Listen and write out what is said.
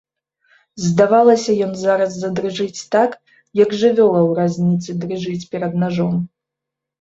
Здавалася, ён зараз задрыжыць так, як жывёла ў разніцы дрыжыць перад нажом.